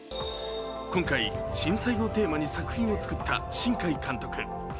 今回、震災をテーマに作品を作った新海監督。